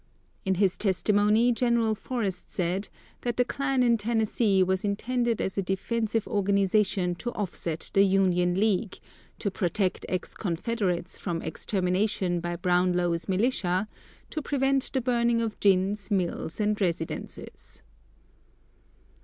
In his testimony General Forrest said that the klan in Tennessee was intended as a defensive organization to offset the Union League; to protect ex Confederates from extermination by Brownlow's militia; to prevent the burning of gins, mills and residences.